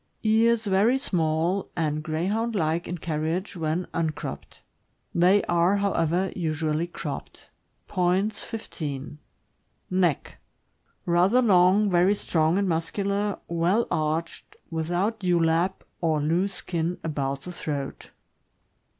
Ears very small, and Greyhound like in carriage when un cropped; they are, however, usually cropped. Points, 15. Neck.— Rather long, very strong and muscular, well THE GREAT DANE. 541 arched, without dewlap or loose skin about the throat.